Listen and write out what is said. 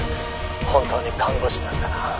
本当に看護師なんだな」